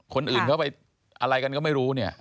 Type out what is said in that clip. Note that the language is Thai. คนอื่นเข้าไปอะไรกันก็ไม่รู้เนี่ย